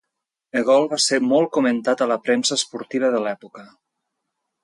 El gol va ser molt comentat a la premsa esportiva de l'època.